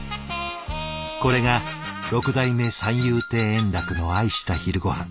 これが六代目三遊亭円楽の愛した昼ごはん。